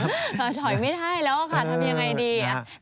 ถอยไม่ได้แล้วค่ะทำยังไงดี